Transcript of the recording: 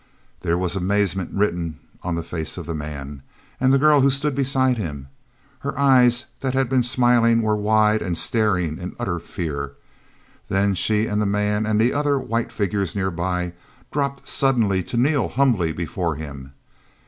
There was amazement written on the face of the man. And the girl who stood beside him—her eyes that had been smiling were wide and staring in utter fear. Then she and the man and the other white figures nearby dropped suddenly to kneel humbly before him.